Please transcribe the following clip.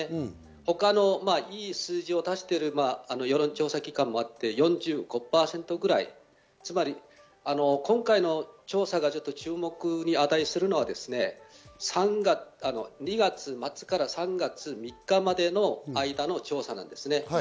他のいい数字を出している世論調査機関もあって、４５％ぐらい、つまり今回の調査が注目に値するのは２月末から３月３日までの間の調査なんです。